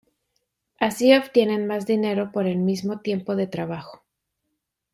Así obtienen más dinero por el mismo tiempo de trabajo".